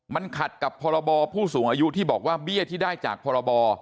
มันขัดกับพรบผู้สูงอายุที่บอกว่าเบี้ยที่ได้จากพรบ